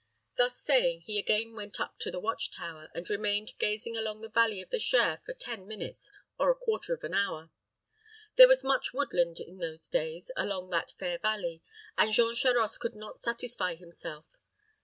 Thus saying, he again went up to the watch tower, and remained gazing along the valley of the Cher for ten minutes or a quarter of an hour. There was much woodland in those days along that fair valley, and Jean Charost could not satisfy himself.